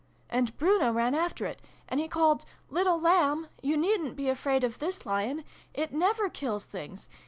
And Bruno ran after it. And he called ' Little Lamb ! You needn't be afraid of this Lion! It never kills things!